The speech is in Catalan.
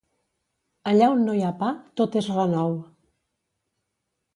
Allà on no hi ha pa tot és renou.